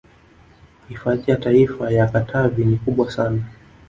Hifadhi ya Taifa ya Katavi ni kubwa sana